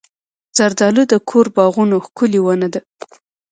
زردالو د کور باغونو ښکلې ونه ده.